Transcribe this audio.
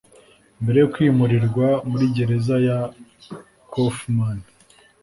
mbere yo kwimurirwa muri gereza ya kaufman